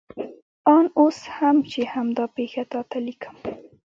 آن اوس هم چې همدا پېښه تا ته لیکم.